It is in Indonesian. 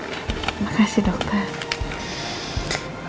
terima kasih dokter